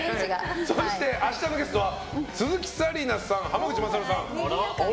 そして、明日のゲストは鈴木紗理奈さん、濱口優さん。